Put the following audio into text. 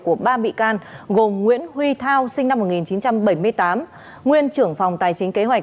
của ba bị can gồm nguyễn huy thao sinh năm một nghìn chín trăm bảy mươi tám nguyên trưởng phòng tài chính kế hoạch